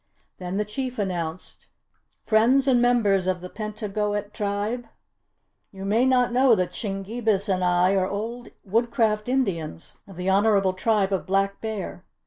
Then the Chief announced: "Friends and members of the Pentagoet Tribe, you may not know that Shingebis and I are old Woodcraft Indians of the Honourable Tribe of Black Bear.